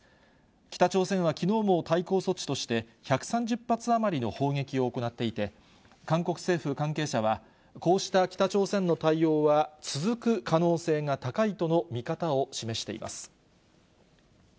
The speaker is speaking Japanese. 北朝鮮はきのうも対抗措置として、１３０発余りの砲撃を行っていて、韓国政府関係者は、こうした北朝鮮の対応は、続く可能性が高いとの見方を示しています。